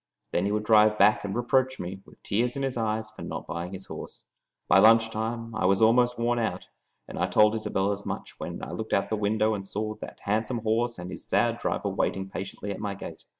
Then he would drive back and reproach me, with tears in his eyes, for not buying his horse. By lunch time I was almost worn out, and I told Isobel as much when I looked out of the window and saw that handsome horse and his sad driver waiting patiently at my gate.